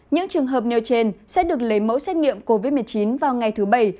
những trường hợp nêu trên sẽ được lấy mẫu xét nghiệm covid một mươi chín vào ngày thứ bảy